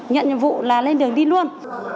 nhận nhiệm vụ là lên đường đi luôn